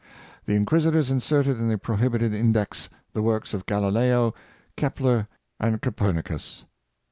The In quisitors inserted in the prohibited index the works of Galileo, Kepler, and Copernicus.